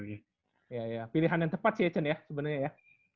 iya iya pilihan yang tepat sih ya cen ya sebenernya ya